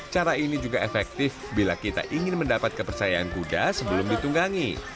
cara ini juga efektif bila kita ingin mendapat kepercayaan kuda sebelum ditunggangi